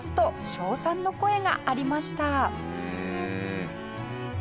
称賛の声がありました。